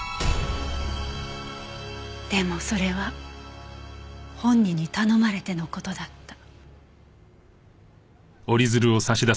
でもそれは本人に頼まれての事だった。